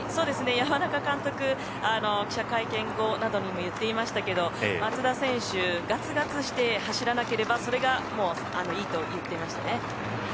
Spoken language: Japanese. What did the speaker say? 山中監督、記者会見後などにも言っていましたけど松田選手がつがつして走らなければそれがいいと言っていましたね。